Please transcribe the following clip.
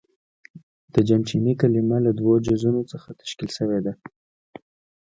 • د جن چیني کلمه له دوو جزونو څخه تشکیل شوې ده.